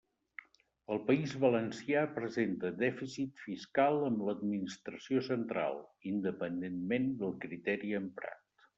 El País Valencià presenta dèficit fiscal amb l'administració central, independentment del criteri emprat.